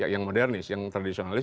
yang modernis yang tradisionalis